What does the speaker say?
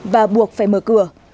và buộc phải mở cửa